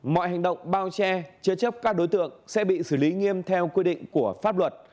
mọi hành động bao che chế chấp các đối tượng sẽ bị xử lý nghiêm theo quy định của pháp luật